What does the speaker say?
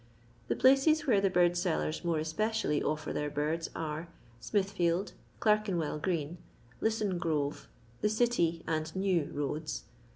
The places where the street sellen more espe cially ofler their birds are — Smithfield, Clerken well green, Lisson grove, the City and New roads.